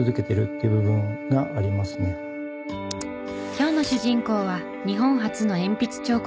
今日の主人公は日本初の鉛筆彫刻